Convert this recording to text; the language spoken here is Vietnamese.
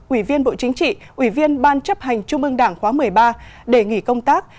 ủy viên bộ chính trị ủy viên ban chấp hành trung ương đảng khóa một mươi ba để nghỉ công tác